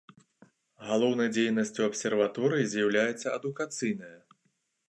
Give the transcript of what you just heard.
Галоўнай дзейнасцю абсерваторыі з'яўляецца адукацыйная.